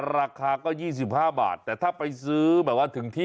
ราคาก็๒๕บาทแต่ถ้าไปซื้อแบบว่าถึงที่